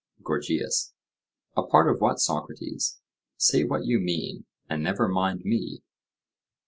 GORGIAS: A part of what, Socrates? Say what you mean, and never mind me.